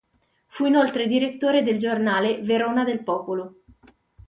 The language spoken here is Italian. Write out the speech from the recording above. Fu inoltre direttore del giornale "Verona del Popolo".